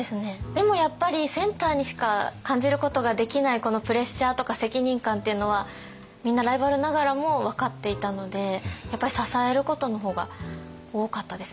でもやっぱりセンターにしか感じることができないこのプレッシャーとか責任感っていうのはみんなライバルながらも分かっていたのでやっぱり支えることの方が多かったですね。